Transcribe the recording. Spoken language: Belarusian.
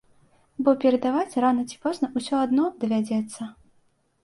Бо перадаваць рана ці позна ўсё адно давядзецца.